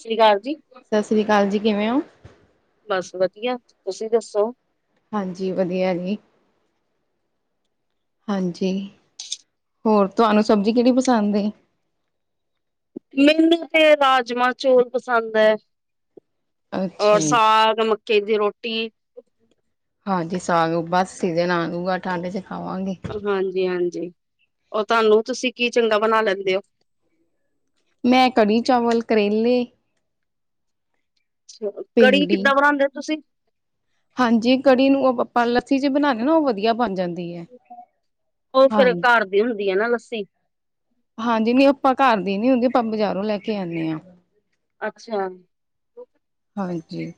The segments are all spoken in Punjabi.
ਸਤਿ ਸ਼੍ਰੀ ਅਕਾਲ ਜੀ। ਸਤਿ ਸ਼੍ਰੀ ਅਕਾਲ ਜੀ, ਕਿਵੇਂ ਹੋ? ਬਸ ਵਧੀਆ, ਤੁਸੀਂ ਦੱਸੋ? ਹਾਂਜੀ ਵਧੀਆ ਜੀ। ਹਾਂਜੀ, ਹੋਰ ਤੁਹਾਨੂੰ ਸਬਜ਼ੀ ਕਿਹੜੀ ਪਸੰਦ ਹੈਗੀ। ਮੈਨੂੰ ਤੇ ਰਾਜਮਾਂ ਚੋਲ ਪਸੰਦ ਹੈ। ਅੱਛਾ ਔਰ ਜੀ ਸਾਗ ਮੱਕੀ ਦੀ ਰੋਟੀ। ਹਾਂਜੀ, ਸਾਗ ਬਸ ਸੀਜ਼ਨ ਆਜੂਗਾ ਠੰਡ ਚ ਖਾਵਾਂਗੇ। ਹਾਂਜੀ-ਹਾਂਜੀ ਉਹ ਤੁਹਾਨੂੰ ਤੁਸੀਂ ਕੀ ਚੰਗਾ ਬਣਾ ਲੈਂਦੇ ਹੋ? ਮੈਂ ਕੜੀ ਚਾਵਲ ਕਰੇਲੇ। ਕੜੀ ਭਿੰਡੀ ਕਿੱਦਾਂ ਬਣਾਦੇ ਹੋ ਤੁਸੀਂ? ਹਾਂਜੀ, ਕੜੀ ਨੂੰ ਆਪਾਂ ਲੱਸੀ ਜੇ ਬਣਾਦੇ ਨਾ, ਉਹ ਵਧੀਆ ਬਣ ਜਾਂਦੀ। ਐ। ਉਹ ਫੇਰ ਹਾਂਜੀ ਘਰ ਦੀ ਹੁੰਦੀ ਹੈ ਨਾ ਲੱਸੀ। ਹਾਂਜੀ, ਨੀ ਆਪਾਂ ਘਰ ਦੀ ਨੀ ਹੁੰਦੀ ਆਪਾਂ ਬਾਜ਼ਾਰੋਂ ਲੈ ਕੇ ਆਦੇ ਹਾਂ। ਅੱਛਾ, ਹਾਂਜੀ,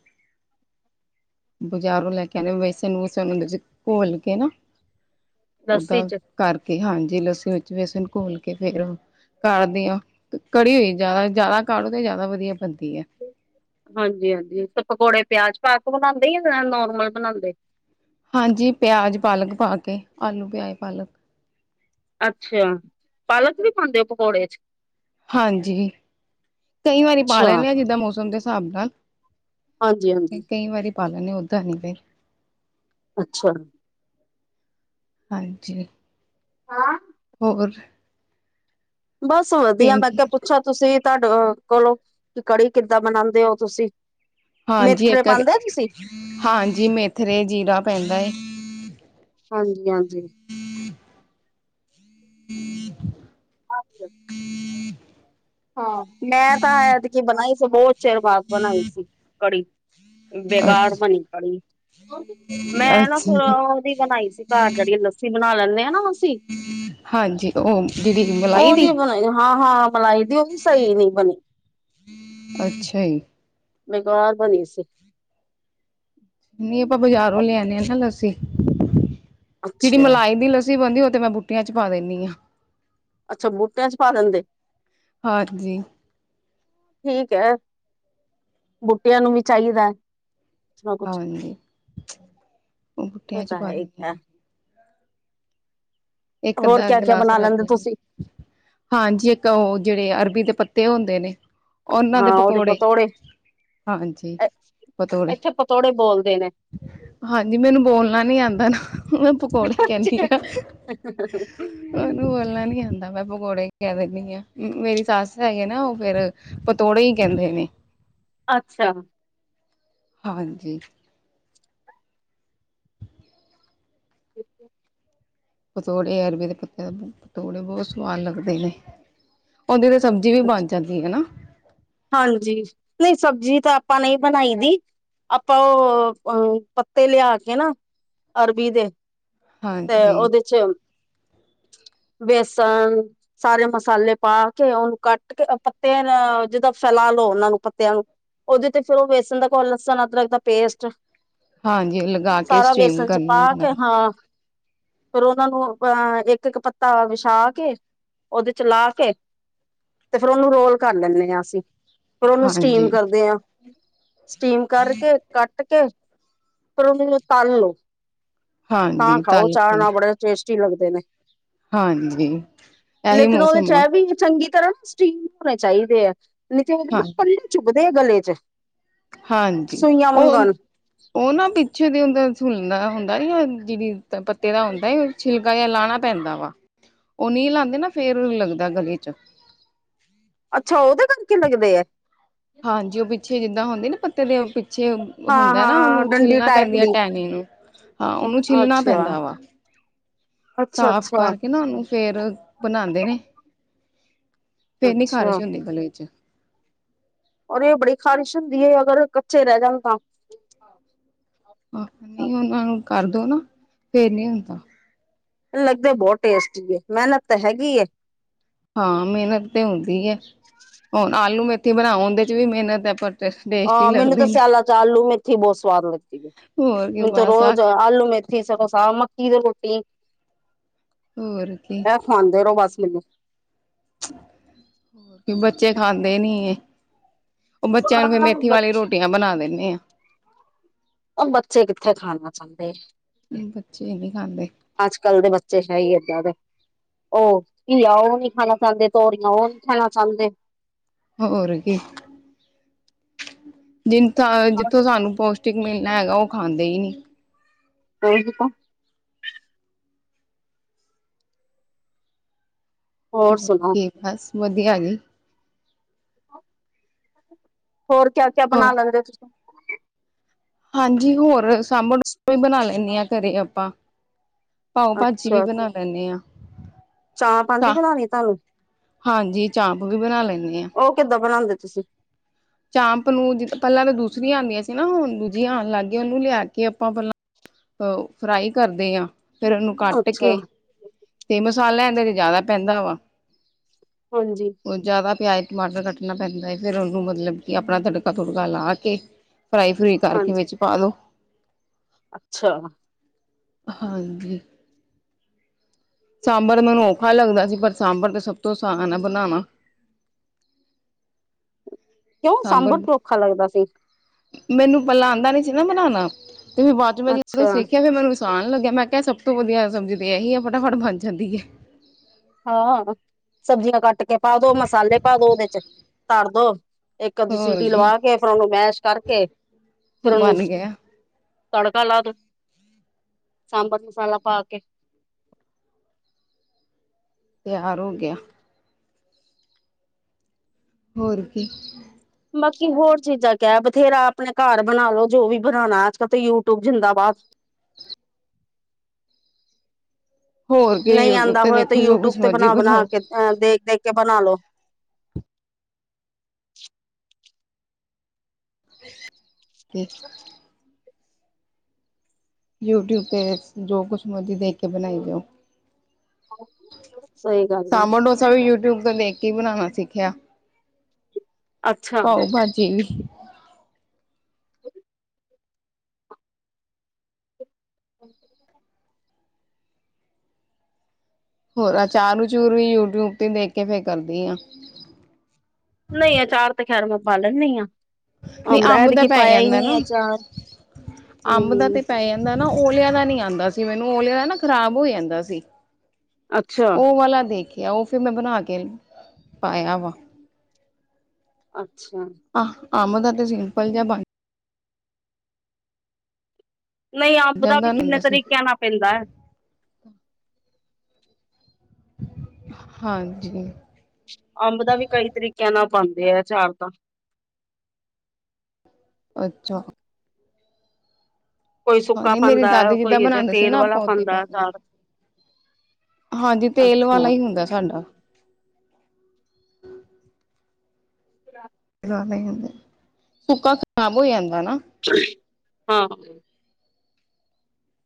ਬਜ਼ਾਰੋਂ ਲੈ ਕੇ ਆਉਂਦੇ ਵੈਸੇ ਨੂੰ [inaudible] ਚ ਘੋਲ ਕੇ ਨਾ ਲੱਸੀ ਓਦਾਂ। ਚ ਕਰਕੇ ਹਾਂਜੀ ਲੱਸੀ ਵਿੱਚ ਬੇਸਣ ਘੋਲ ਕੇ ਫੇਰ। ਕਾੜਦੇ ਆ ਕੜੀ ਹੋਈ ਜ਼ਿਆਦਾ ਜ਼ਿਆਦਾ ਕਾੜੋ ਤੇ ਜ਼ਿਆਦਾ ਵਧੀਆ ਬਣਦੀ ਹੈ। ਹਾਂਜੀ, ਹਾਂਜੀ ਤੇ ਪਕੌੜੇ ਪਿਆਜ ਪਾ ਕੇ ਬਣਾਉਦੇ ਆ ਜਾਂ ਨੋਰਮਲ ਬਣਾਉਦੇ? ਹਾਂਜੀ ਪਿਆਜ਼ ਪਾਲਕ ਪਾ ਕੇ ਆਲੂ ਪਿਆਜ਼ ਪਾਲਕ। ਅੱਛਾ, ਪਾਲਕ ਵੀ ਪਾਦੇ ਪਕੌੜੇ ਚ,? ਹਾਂਜੀ, ਕਈ ਵਾਰੀ ਪਾ ਅੱਛਾ, ਲੈਦੇ ਆ ਜਿੱਦਾਂ ਮੌਸਮ ਦੇ ਹਿਸਾਬ ਨਾਲ। ਹਾਂਜੀ ਹਾਂਜੀ, ਕਈ ਵਾਰੀ ਪਾ ਲਨੇ ਓਦਾਂ ਨੀ ਫਿਰ। ਅੱਛਾ, ਹਾਂਜੀ, ਹਾਂ, ਹੋਰ ਬਸ ਵਧੀਆ, ਮੈਂ ਭਿੰਡੀ ਕਿਹਾ ਪੁੱਛਾਂ ਤੁਸੀਂ ਤੁਹਾਡੇ ਕੋਲੋਂ ਕਿ ਕੜੀ ਕਿੱਦਾਂ ਬਣਾਉਂਦੇ ਹੋ ਤੁਸੀਂ? ਹਾਂਜੀ ਮੇਥਰੇ ਇੱਕ ਪਾਉਦੇ ਹੋ ਤੁਸੀਂ? ਹਾਂਜੀ ਮੇਥਰੇ ਜੀਰਾ ਪੈਂਦਾ। ਹਾਂਜੀ, ਹਾਂਜੀ। ਹੁ ਹਾਂਜੀ। ਹਾਂ ਮੈਂ ਤਾਂ ਐਤਕੀਂ ਬਣਾਈ ਸੀ ਬਹੁਤ ਚਿਰ ਬਾਅਦ ਬਣਾਈ ਸੀ ਕੜੀ। ਬੇਕਾਰ ਅੱ ਬਣੀ ਕੜੀ। ਮੈਂ ਨਾ ਅੱਛਾ ਫਿਰ ਦੀ ਬਣਾਈ ਸੀ ਘਰ ਜਿਹੜੀ ਲੱਸੀ ਬਣਾ ਲੈਂਦੇ ਹਾਂ ਨਾ ਅਸੀਂ ਹਾਂਜੀ ਉਹ ਜਿਹੜੀ ਮਲਾਈ ਦੀ ਉਹਦੀ ਬਣਾਈ ਹਾਂ ਹਾਂ ਮਲਾਈ ਦੀ ਉਹ ਸਹੀ ਨੀ ਬਣੀ। ਅੱਛਾ ਜੀ। ਬੇਕਾਰ ਬਣੀ ਸੀ। ਨਹੀਂ ਆਪਾਂ ਬਾਜ਼ਾਰੋਂ ਲਿਆਣੇ ਆ ਨਾ ਲੱਸੀ ਜਿਹੜੀ ਅੱਛਾ ਮਲਾਈ ਦੀ ਲੱਸੀ ਬਣਦੀ ਉਹ ਮੈਂ ਬੂਟੀਆਂ ਚ ਪਾ ਦਿੰਦੀ ਹਾਂ ਅੱਛਾ ਬੂਟਿਆਂ ਚ ਪਾ ਦਿੰਦੇ। ਹਾਂਜੀ ਠੀਕ ਹੈ ਬੂਟਿਆਂ ਨੂੰ ਵੀ ਚਾਹੀਦਾ। ਕੁਛ ਨਾ ਕੁਛ ਹਾਂਜੀ ਉਹ ਓਹ ਬੁੱਟੀਆਂ ਚ ਤਾਂ ਪਾ ਹੈ ਹੀ ਦਿੰਦੀ ਹੈ ਹਾਂ ਇੱਕ ਹੋਰ ਦਾ ਕਿਆ ਕਿਆ ਗਿਲਾਸ ਬਣਾ ਰੱਖ ਲੈਂਦੇ ਲੈਣੇ ਤੁਸੀਂ ਹਾਂਜੀ ਇੱਕ ਉਹ ਜਿਹੜੇ ਅਰਬੀ ਦੇ ਪੱਤੇ ਹੁੰਦੇ ਨੇ ਉਹਨਾਂ ਹਾਂ ਦੇ ਉਹਦੇ ਪਕੌੜੇ ਪਤੋੜੇ ਹਾਂਜੀ। ਪਤੋੜੇ ਐਥੇ ਪਤੋੜੇ ਬੋਲਦੇ ਨੇ ਹਾਂਜੀ ਮੈਨੂੰ ਬੋਲਣਾ ਨੀ ਆਉਂਦਾ ਨਾ ਮੈਂ ਪਕੌੜੇ ਕਹਿੰਦੀ ਹਾਂ। [unintelligible] ਉਹਨੂੰ ਬੋਲਣਾ ਨੀ ਆਉਂਦਾ ਮੈਂ ਪਕੌੜੇ ਕਹਿ ਦਿੰਦੀ ਹਾਂ ਮੇਰੀ ਸੱਸ ਹੈਗੇ ਨਾ ਉਹ ਫੇਿਰ ਪਤੋੜੇ ਹੀ ਕਹਿੰਦੇ ਨੇ ਅੱਛਾ। ਹਾਂਜੀ। [unintelligible] ਪਤੋੜੇ ਅਰਬੀ ਦੇ ਪੱਤੇ ਹੁੰਦੇ ਨੇ ਪਤੋੜੇ ਬਹੁਤ ਸਵਾਦ ਲੱਗਦੇ ਨੇ ਉਹਦੀ ਤੇ ਸਬਜ਼ੀ ਵੀ ਬਣ ਜਾਂਦੀ ਹਨਾ ਹਾਂਜੀ ਨਹੀਂ ਸਬਜ਼ੀ ਤਾਂ ਆਪਾਂ ਨਹੀਂ ਬਣਾਈ ਦੀ ਆਪਾਂ ਉਹ ਅ ਪੱਤੇ ਲਿਆ ਕੇ ਨਾ ਅਰਬੀ ਦੇ ਤੇ ਹਾਂਜੀ ਉਹਦੇ ਚ [unintelligible] ਬੇਸਣ ਸਾਰੇ ਮਸਾਲੇ ਪਾ ਕੇ ਉਹਨੂੰ ਕੱਟ ਕੇ ਪੱਤੇ ਜਿਦਾਂ ਫੈਲਾ ਲੋ ਉਹਨਾ ਨੂੰ ਪੱਤਿਆਂ ਨੂੰ ਉਹਦੇ ਤੇ ਫਿਰ ਉਹ ਬੇਸਣ ਦਾ ਗੋਲ ਲਸਣ ਅਦਰਕ ਦਾ ਪੇਸਟ ਹਾਂਜੀ ਲਗਾ ਕੇ ਸਾਰਾ ਸਟੀਮ ਵੇਸਣ ਚ ਪਾ ਕਰਨਾ ਮੈਂ ਕੇ ਹਾਂ ਫੇਿਰ ਉਹਨਾਂ ਨੂੰ ਅਹ ਇੱਕ ਇੱਕ ਪੱਤਾ ਵਿਛਾ ਕੇ ਉਹਦੇ ਚ ਲਾ ਕੇ ਤੇ ਫੇਿਰ ਉਹਨੂੰ ਰੋਲ ਕਰ ਲੈਂਦੇ ਹਾਂ ਅਸੀਂ ਫਿਰ ਉਹਨੂੰ ਸਟੀਮ ਹਾਂਜੀ ਕਰਦੇ ਆਾਂ ਸਟੀਮ ਕਰਕੇ ਕੱਟ ਕੇ ਫਿਰ ਉਹਨੂੰ ਤਲ ਲੌ ਤਾਂ ਹਾਂਜੀ ਖਾਓ ਤਲ ਚਾਹ ਕੇ ਨਾਲ ਬੜੇ ਟੇਸਟੀ ਲੱਗਦੇ ਨੇ ਹਾਂਜੀ ਇਹੀ ਲੇਕਿਨ ਉਹਦੇ ਮੌਸਮ ਚ ਆ ਇਹ ਵੀ ਚੰਗੀ ਤਰ੍ਹਾਂ ਸਟੀਮ ਹੋਣੇ ਚਾਹੀਦੇ ਆ ਨ ਉਹਦੇ ਹਾਂ ਨਾ ਪੱਲੇ ਚੁਬਦੇ ਆ ਗਲੇ ਚ ਹਾਂਜੀ ਸੂਈਆਂ ਉਹ ਵਾਂਗਣ ਉਹ ਨਾ ਪਿੱਛੇ ਦੇ ਉਹਦਾ ਸੂਲ ਹੁੰਦਾ ਜਿਹੜੀ ਪੱਤੇ ਦਾ ਹੁੰਦਾ ਛਿਲਕਾ ਜਿਹਾ ਲਾਉਣਾ ਪੈਂਦਾ ਵਾ ਉਹ ਨ਼ਹੀ ਲਾਉਂਦੇ ਨਾ ਫੇਰ ਲੱਗਦਾ ਗਲੇ ਚ ਅੱਛਾ ਉਹਦੇ ਕਰਕੇ ਲੱਗਦੇ ਆ ਹਾਂਜੀ ਉਹ ਪਿੱਛੇ ਜਿੱਦਾਂ ਹੁੰਦੇ ਨਾ ਪੱਤੇ ਦੇ ਪੀ ਛੇ ਹਾਂ ਹੁੰਦਾ ਨਾ ਹਾਂ ਉਹਨੂੰ ਡੰਡੀ ਛਿੱਲਣਾ ਟਾਈਪ ਪੈਂਦੀ ਹੈ ਦੀ ਟਹਿਨੀ ਨੂੰ, ਹਾਂ ਉਹਨੂੰ ਛਿੱਲਣਾ ਅੱਛਾ ਪੈਂਦਾ ਵਾ। ਅੱਛਾ ਸਾਫ ਅੱਛਾ ਕਰਕੇ ਨਾ ਉਹਨੂੰ, ਫੇਰ ਬਨਾਉਂਦੇ ਨੇਂ। ਫੇਰ ਨੀ ਅੱਛਾ ਖ਼ਾਰਿਸ਼ ਹੁੰਦੀ ਗਲੇ ਵਿੱਚ। ਅਰੇ ਬੜੀ ਖਾਰਿਸ਼ ਹੁੰਦੀ ਹੈ, ਅਗਰ ਉਹ ਕੱਚੇ ਰਹਿ ਜਾਨ ਤਾਂ। ਆਹ ਨਹੀਂ ਉਹਨਾਂ ਨੂੰ ਕਰਦੋ ਨਾ, ਫੇਰ ਨੀ ਹੁੰਦਾ। ਲੱਗਦੇ ਬਹੁਤ ਟੇਸਟੀ ਏ, ਮੇਹਨਤ ਤਾ ਹੈਗੀ ਏ। ਹਾਂ ਮਿਹਨਤ ਤੇ ਹੁੰਦੀ ਹੈ, ਹੁਨ ਆਲੂ ਮੇਥੀ ਬਣਾਉ ਉਹੰਦੇ ਚ ਵੀ ਮਿਹਨਤ ਹੈ ਪਰ। ਟੇਸਟੀ ਆਂਹ ਮੈਨੂੰ ਤੇ ਲੱਗਦੇ ਨੇ ਸਿਆਲਾ ਚ ਆਲੂ ਮੇਥੀ ਬਹੁਤ ਸਵਾਦ ਲੱਗਦੀ ਹੈ। ਹੋਰ ਕੀ ਮੈਨੂੰ ਤੇ ਬਸ ਆ ਰੋਜ ਆਲੂ ਮੇਥ ਥੀ, ਸਗੋ ਸਾਗ ਮੱਕੀ ਦੀ ਰੋਟੀ। ਹੋਰ ਕੀ। ਆਹ ਖਵਾਉਂਦੇ ਰੋ ਬਸ ਮੈਨੂੰ। ਬੱਚੇ ਖਾਂਦੇ ਨੀ ਏ। ਉਹ ਬੱਚਿਆਂ ਨੂੰ ਫਿਰ ਆਹ ਮੇਥੀ ਵਾਲੀ ਬੱਚੇ ਰੋਟੀਆਂ ਬਣਾ ਦੇਣੀ ਆਂ। ਔਹ ਬੱਚੇ ਕਿੱਥੇ ਖਾਣਾ ਚਾਂਦੇ ਏਂ? ਬੱਚੇ ਨੀ ਖਾਂਦੇ ਅੱਜ ਕੱਲ ਦੇ ਬੱਚੇ ਹੈ ਈ ਏਦਾਂ ਦੇ। ਔਹ ਘੀਆ ਉਹ ਨਈ ਖਾਨਾ ਚਾਹੁੰਦੇ, ਤੋਰੀਆਂ ਔਹ ਨਈ ਖਾਨਾ ਚਾਹੁੰਦੇ। ਹੋਰ ਕੀ। ਜਿਨ ਥਾਂ ਅ ਜਿੱਥੋ ਸਾਨੂੰ ਪੌਸ਼ਟਿਕ ਮਿਲਨਾ ਹੈਗਾ, ਉਹ ਖਾਂਦੇ ਈ ਨਈ। ਕੋਈ ਕਿਤੋਂ ਹੋਰ ਤੇ ਬਸ ਵਦੀਆ ਜੀ। ਹੋਰ ਕਿਆ-ਕਿਆ ਬਨਾ ਹੋਰ ਲੈਂਦੇ ਹੋ ਤੁਸੀਂ? ਹਾਂਜੀ ਹੋਰ ਸਾਂਬਰ [inaudible] ਬਣਾ ਲੈਂਨੀ ਆ, ਘਰੇ ਅਪਾਂ। ਪਾਓ ਭਾਜੀ ਵੀ ਅੱਛਾ ਬਨਾ ਲੈਂਨੇਂ ਆ। ਚਾਂਪ ਆਂਦੀ ਸਾ, ਬਣਾਣੀ ਤੁਹਾਨੂੰ ਹਾਂਜੀ ਚਾਪ ਵੀ ਬਣਾ ਲੈਂਨੀ ਆ। ਉਹ ਕਿੱਦਾਂ ਬਣਾਂਦੇ ਤੁਸੀਂ? ਚਾਂਪ ਨੂੰ, ਜ ਪਹਿਲਾਂ ਤੇ ਦੂਸਰੀਆਂ ਆਉਂਦੀਆਂ ਸੀ ਨਾ, ਹੁਨ ਦੂਜੀਆਂ ਆਉਣ ਲੱਗ ਗਈਆਂ। ਉਅਨੂੰ ਲਿਆ ਕੇ ਅਪਾਂ ਪਹਿਲਾਂ ਓਹ ਫਰਾਈ ਕਰਦੇ ਯਾ, ਫੇਰ ਉਅਨੂੰ ਕੱਟ ਅੱਛਾ ਕੇ ਤੇ ਮਸਾਲਾ ਇਹਂਦੇ ਤੇ ਜਿਆਦਾ ਪੈਂਦਾ ਵਾ। ਹਾਂਜੀ। ਹੋਰ ਜਿਆਦਾ ਪਿਆਜ, ਟਮਾਟਰ ਕੱਟਨਾ ਪੈਂਦਾ ਏ, ਫਿਰ ਉਹਨੂੰ ਮਤਲਬ ਕਿ ਅਪਣਾ ਤੜਕਾ ਤੁੜਕਾ ਲਾ ਕੇ ਫਰਾਈ ਫਰੂਈ ਕਰਕੇ ਹਾਂਜੀ ਵਿੱਚ ਪਾ ਦੋ। ਅੱਛਾ। ਹਾਂਜੀ। ਸਾਂਬਰ ਮੈਨੂੰ ਔਖਾ ਲੱਗਦਾ ਸੀ, ਪਰ ਸਾਂਬਰ ਤੇ ਸਭ ਤੋ ਆਸਾਨ ਐ ਬਣਾਣਾ। [inaudible] ਕਿਉਂ? ਸਾਂਬਰ ਕਿਉਂ ਔਖਾ ਲੱਗਦਾ ਸੀ? ਮੈਨੂੰ ਪੈਲਾਂ ਆਂਦਾ ਨੀ ਸੀ ਨਾ ਬਣਾਣਾ, ਤੇ ਫਿਰ ਬਾਅਦ ਚ, ਮੈਂ ਜਦੋਂ ਅੱਛਾ। ਸਿੱਖਿਆ ਫਿਰ ਮੈਨੂੰ ਸਾਨ ਲੱਗਿਆ, ਮੈਂ ਕਿਹਾ ਸਭ ਤੋ ਵਧੀਆ ਸਬਜ਼ੀ ਤੇ ਏਹੀ ਹੈ, ਫਟਾਫਟ ਬਣ ਜਾਂਦੀ ਏ। ਹਾਂ, ਸਬਜ਼ੀਆਂ ਕੱਟ ਕੇ ਪਾ ਦੋ, ਮਸਾਲੇ ਪਾ ਦੋ ਉਹਦੇ ਚ, ਧਰ ਦੋ। ਇੱਕ ਅੱਧੀ ਹੋਰ ਸੀਟੀ ਕੀ ਲਵਾ ਕੇ, ਫੇਰ ਉਹਨੂੰ ਮੈਸ਼ ਕਰਕੇ, ਫੇਰ ਓਨੁ ਬਣ ਗਿਆ ਤੜਕਾ ਲਾ ਦੋ, ਸਾਂਭਰ ਮਸਾਲਾ ਪਾ ਕੇ। ਤਿਆਰ ਹੋ ਗਿਆ। ਹੋਰ ਕੀ। ਬਾਕੀ ਹੋਰ ਚੀਜਾਂ ਕਯਾ ਹੈ? ਬਥੇਰਾ, ਆਪਣੇ ਕਾਰ ਬਣਾ ਲੋ, ਜੋ ਵੀ ਬਣਾਉਣਾ, ਅਜ ਕਲ ਤੇ ਯੂ ਟਿਊਬ ਜਿੰਦਾਬਾਦ। ਹੋਰ ਕੀ ਨਈ ਯੂਟਿਊਬ ਆਂਦਾ ਹੋਇਆ ਤੇ ਦੇਖੋ ਯੂ ਜੋ ਟੂਬ ਕੁਛ ਤੇ ਮਰਜ਼ੀ ਬਣਾ-ਬਣਾ ਬਣਾਓ ਕੇ, ਅਹ ਦੇਖ-ਦੇਖ ਕੇ ਬਣਾ ਲੋ। [inaudible] [inaudible] ਯੂ ਟਿਊਬ ਤੇ, ਜੋ ਕੁਛ ਮਰਜੀ ਦੇਖ ਕੇ ਬਣਾਈ ਜਾਓ। ਸਈ ਗੱਲ ਏ। ਚਲੋ ਯੂ ਟਿਊਬ ਤੋਂ ਦੇਖ ਕੇ ਹੀ ਬਣਾਉਣਾ ਸਿੱਖਿਆ। ਅੱਛਾ ਪਾਓ ਭਾਜੀੇ। [inaudible] ਹੋਰ ਆਚਾਰ ਅਚੂਰ ਵੀ ਯੂ ਟਿਊਬ ਤੇ ਦੇਖ ਕੇ ਫੇਰ ਕਰਦੀ ਆ। ਨਈ, ਆਚਾਰ ਤੇ ਖੈਰ ਮੈਂ ਪਾਂ ਲੈਣੀ ਆ। ਨਹੀਂ ਅੰਬ ਦਾ ਐਰਕੀ ਪੈ ਪਾਇਆ ਈ ਜਾਂਦਾ ਨੀ ਏ ਨਾ ਅਚਾਰ। ਅੰਬ ਤੇ ਹੂੰ। ਪੈ ਦਾ ਨਾ ਓਲੇਆਂ ਦਾ ਨੀ ਆਂਦਾ ਸੀ ਮੈਨੂੰ, ਓਲਿਆਂ ਦਾ ਨਾ ਖਰਾਬ ਹੋ ਜਾਂਦਾ ਸੀ। ਅੱਛਾ ਉਹ ਵਾਲਾ ਦੇਖਿਆ, ਉਹ ਫਿਰ ਮੈਂ ਬਣਾ ਕੇ ਪਾਇਆ ਵਾ। ਅੱਛਾ। ਆਹ, ਆਂਬ ਦਾ ਤੇ ਸਿੰਪਲ ਜਾ ਬਣ ਨਹੀਂ ਅੰਬ ਦਾ ਵੀ ਜਾਂਦਾ ਕਿੰਨੇ ਹੁੰਦਾ ਸੀ ਤਰੀਕਿਆਂ ਨਾਲ ਪੈਂਦਾ। ਹਾਂਜੀ ਅੰਬ ਦਾ ਵੀ ਕਈ ਤਰੀਕਿਆਂ ਨਾਲ ਪਾਂਦੇ ਆ ਆਚਾਰ ਤਾਂ ਅੱਛਾ ਕੋਈ ਹਾਂ ਸੁੱਕਾ ਨਹੀਂ ਮੇਰੀ ਪਾਉਂਦਾ ਹੈ ਦਾਦੀ ਜਿੱਦਾਂ ਕੋਈ ਬਣਾਦੇ ਸੀ ਤੇਲ ਨਾ ਵਾਲਾ ਆਪਾਂ ਓਦਾਂ ਹੀ ਪਾਉਂਦਾ ਪਾਦੇ ਆ। ਅਚਾਰ ਹਾਂਜੀ ਤੇਲ ਵਾਲਾ ਅੱਛਾ ਹੀ ਹੁੰਦਾ ਸਾਡਾ ਖ਼ਾਲੀ [unintelligible] [unintelligible] ਹੁੰਦਾ ਸੁੱਕਾ ਖ਼ਰਾਬ ਹੋ ਜਾਂਦਾ ਨਾ। [unintelligible] ਹਾਂ।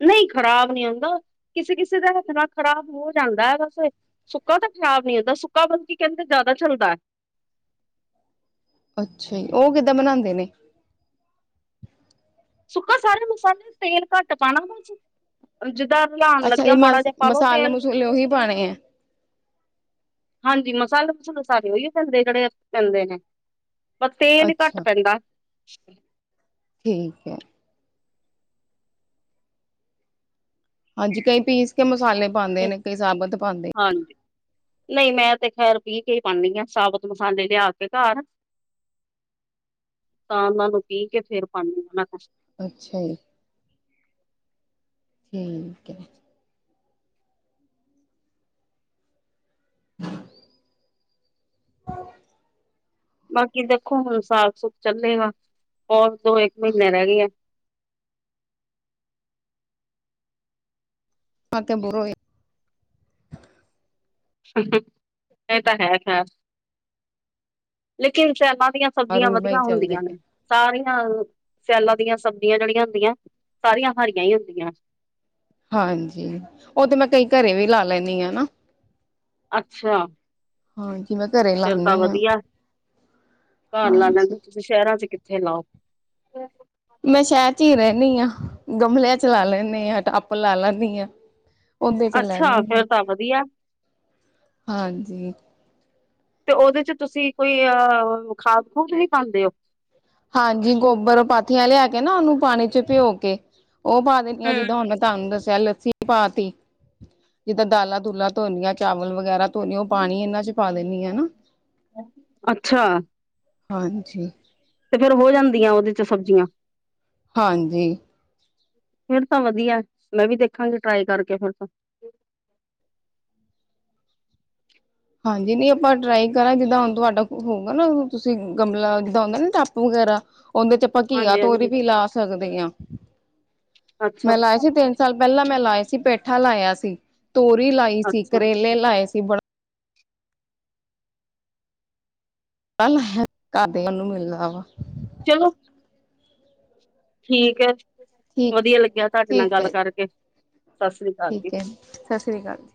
ਨਹੀਂ ਖ਼ਰਾਬ ਨਹੀਂ ਹੁੰਂਦਾ ਕਿਸੇ- ਕਿਸੇ ਦੇ ਹੱਥ ਨਾਲ ਖ਼ਰਾਬ ਹੋ ਜਾਂਦਾ ਵੈਸੇ ਸੁੱਕਾ ਤਾਂ ਖ਼ਰਾਬ ਨੀ ਹੁੰਦਾ ਸੁੱਕਾ ਮਤਲਬ ਕੀ ਕਹਿੰਦੇ ਜ਼ਿਆਦਾ ਚੱਲਦਾ। ਅੱਛਾ ਜੀ ਉਹ ਕਿੱਦਾਂ ਬਣਾਂਦੇ ਨੇ। ਸੁੱਕਾ ਸਾਰੇ ਮਸਾਲੇ ਤੇਲ ਘੱਟ ਪਾਂਣਾ ਵਾ ਜੀ। ਜਿੱਦਾਂ ਰਲਾਣ ਅੱਛਾ ਲੱਗਿਆ ਜੀ ਮਾੜਾ ਮਸ ਜਾ ਪਾ ਲੋ ਮਸਾਲੇ ਤੇਲ ਮਸੂਲੇ ਉਹੀ ਪਾਣੇ ਆ ਹਾਂਜੀ ਮਸਾਲੇ ਮਸੂਲੇ ਸਾਰੇ ਉਹੀਏ ਪੈਂਦੇ ਜਿਹੜੇ ਪੈਂਦੇ ਨੇ। ਬ ਤੇਲ ਹੀ ਘੱਟ ਅੱਛਾ ਪੈਂਦਾ। ਠੀਕ ਐ। ਹਾਂਜੀ ਕਈ ਪੀਸ ਕੇ ਮਸਾਲੇ ਪਾਂਦੇ ਕ ਨੇ ਕਈ ਸਾਬਤ ਪਾਂਦੇ ਹਾਂਜੀ ਨਹੀਂ ਮੈਂ ਤੇ ਖੈਰ ਪੀਹ ਕੇ ਹੀ ਪਾਂਦੀ ਆ ਸਾਬਤ ਮਸਾਲੇ ਲਿਆ ਕੇ ਘਰ ਤਾਂ ਉਹਨਾਂ ਨੂੰ ਪੀਹ ਕੇ ਫੇਰ ਪਾਂਨੀ ਆ ਉਹਨਾਂ 'ਚ ਅੱਛਾ ਜੀ। ਠੀਕ ਏ। [inaudible] ਬਾਕੀ ਦੇਖੋ ਹੁਣ ਸਾਗ ਸੁਗ ਚੱਲੇਗਾ ਔਰ ਦੋ ਏਕ ਮਹੀਨੇ ਰਹਿ ਗੇ ਆ। ਅ ਤੇ ਬੋ ਏ। [inaudible] ਐਹ ਤਾਂ ਹੈ ਖੈਰ ਲੇਕਿਨ ਸਿਆਲਾ ਦੀਆਂ ਸਬਜ਼ੀਆਂ ਰੂ ਬਾਈ ਵਧੀਆ ਚੱਲਦੇ ਹੁੰਦੀਆਂ ਪਏ ਨੇ। ਸਾਰੀਆਂ ਅ ਸਿਆਲਾਂ ਦੀਆਂ ਸਬਜ਼ੀਆਂ ਜਿਹੜੀਆਂ ਹੁੰਦੀਆਂ ਸਾਰੀਆਂ ਹਰੀਆਂ ਹੀ ਹੁੰਦੀਆਂ। ਹਾਂਜੀ ਉਹ ਤੇ ਮੈਂ ਕਈ ਘਰੇ ਵੀ ਲਾ ਲੈਂਨੀ ਆ ਨਾ। ਅੱਛਾ ਹਾਂ ਮੈਂ ਘਰੇ ਫੇਰ ਤਾਂ ਲਾਉਦੀ ਹਾਂ ਵਧੀਆ ਧਨ ਲਾ ਲ ਚ ਹਾਂਜੀ [unintelligible] ਤੁਸੀਂ ਸ਼ਹਿਰਾਂ 'ਚ ਕਿੱਥੇ ਲਾਓ। ਮੈਂ ਸ਼ਹਿਰ 'ਚ ਹੀ ਰਹਿੰਨੀ ਆ ਗਮਲਿਆਂ 'ਚ ਲਾ ਲੈਨੀ ਆ ਟੱਪ ਲਾ ਲੈਂਨੀ ਆ। ਓਦੇ 'ਚ ਲੇ ਅੱਛਾ ਲੈਣੀ ਫੇਰ ਤਾਂ ਵਧੀਆ ਹਾਂਜੀ। ਤੇ ਉਹਦੇ 'ਚ ਤੁਸੀਂ ਕੋਈ ਅ ਆ ਖਾਦ ਖੂਦ ਵੀ ਪਾਂਦੇ ਓ। ਹਾਂਜੀ ਗੋਬਰ ਪਾਥੀਆਂ ਲਿਆ ਕੇ ਨਾ ਉਹਨੂੰ ਪਾਣੀ 'ਚ ਭਿਓ ਕੇ ਉਹ ਪਾ ਦਿੰਦੀ ਆ ਹੂੰ। ਜਿੱਦਾਂ ਹੁਣ ਮੈਂ ਤੁਹਾਨੂੰ ਦੱਸਿਆ ਲੱਸੀ ਪਾਤੀ ਜਿੱਦਾਂ ਦਾਲਾਂ ਦੁਲਾ ਧੋਣੀਆਂ ਚਾਵਲ ਵਗੈਰਾ ਧੋਣੀ ਉਹ ਪਾਣੀ ਇਹਨਾਂ 'ਚ ਪਾ ਦਿੰਨੀ ਆ ਨਾ ਅੱਛਾ ਹਾਂਜੀ। ਤੇ ਫੇਰ ਹੋ ਜਾਂਦੀਆਂ ਉਹਦੇ 'ਚ ਸਬਜ਼ੀਆਂ ਹਾਂਜੀ ਫਿਰ ਤਾਂ ਵਧੀਆ ਮੈਂ ਵੀ ਦੇਖਾਂਗੀ ਟਰਾਈ ਕਰਕੇ ਫਿਰ ਤਾਂ ਹਾਂਜੀ ਨਹੀਂ ਆਪਾਂ ਟਰਾਈ ਕਰਾਂ ਜਿੱਦਾਂ ਹੁਣ ਤੁਹਾਡਾ ਹੋਊਗਾ ਨਾ ਤੁਸੀ ਗਮਲਾ ਜਿੱਦਾਂ ਹੁੰਂਦਾ ਨਾ ਟੱਪ ਵਗੈਰਾ ਉਹਦੇ 'ਚ ਆਪਾਂ ਘੀਆ ਹਾਂਜੀ ਤੋਰੀ ਹਾਂਜੀ ਵੀ ਲਾ ਸਕਦੇ ਆਂ। ਮੈਂ ਅੱਛਾ ਲਾਇਆ ਸੀ ਤਿੰਨ ਸਾਲ ਪਹਿਲਾਂ ਮੈਂ ਲਾਏ ਸੀ ਪੇਠਾ ਲਾਇਆ ਸੀ। ਤੋਰੀ ਲਾਈ ਸੀ ਅੱਛਾ ਕਰੇਲੇ ਲਾਏ ਸੀ ਬੜਾ [inaudible] ਲਾਇਆ ਤੁਹਾਡੇ ਵਲੋਂ ਮਿਲਣਾ ਵਾ। ਚਲੋ ਠੀਕ ਹੈ ਠੀਕ ਵਧੀਆ ਲੱਗਿਆ ਤੁਹਾਡੇ ਨਾਲ ਠੀਕ ਗੱਲ ਹੈ ਕਰਕੇ ਸਤਿ ਸ੍ਰੀ ਅਕਾਲ ਜੀ ਠੀਕ ਹੈ ਜ ਸਤਿ ਸ਼੍ਰੀ ਅਕਾਲ ਜੀ